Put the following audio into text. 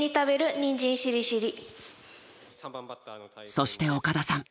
そして岡田さん。